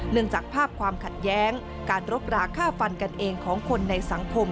จากภาพความขัดแย้งการรบราค่าฟันกันเองของคนในสังคม